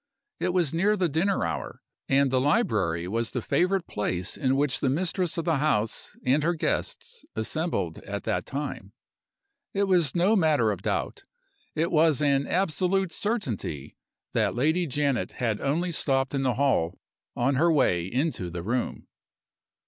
It was near the dinner hour, and the library was the favorite place in which the mistress of the house and her guests assembled at that time. It was no matter of doubt; it was an absolute certainty that Lady Janet had only stopped in the hall on her way into the room.